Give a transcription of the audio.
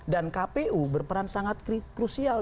dan kpu berperan sangat krusial